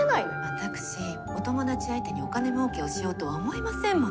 私お友達相手にお金もうけをしようとは思いませんもの。